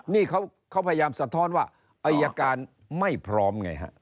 นี่เขาพยายามสะท้อนว่าอายการไม่พร้อมไงฮะ